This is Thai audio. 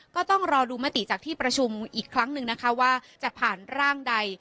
ก็ต้องรอดูมติจากที่ประชุมอีกครั้งหนึ่งนะคะว่าจะผ่านร่างใด